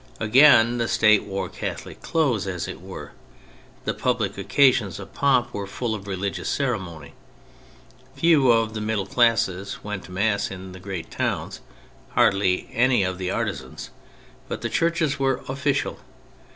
Again, the State wore Catholic clothes, as it were : the public occasions of pomp were full of religious ceremony. Few of the middle classes went to Mass in the great towns, hardly any of the artisans ; but the Churches were " official."